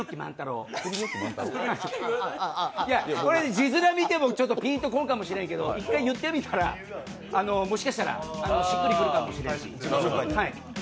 字面みてもピンと来ないかもしれないけど、１回言ってみたらもしかしたら、しっくりくるかもしれん。